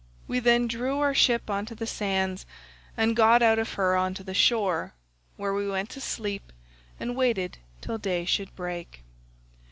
We then drew our ship on to the sands and got out of her on to the shore, where we went to sleep and waited till day should break.